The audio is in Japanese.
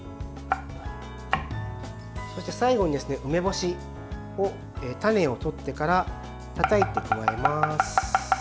そして最後に梅干しを種を取ってからたたいて加えます。